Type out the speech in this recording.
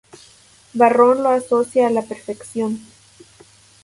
Varrón lo asocia a la "perfección".